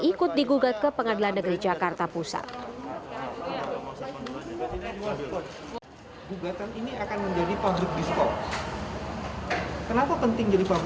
ikut digugat ke pengadilan negeri jakarta pusat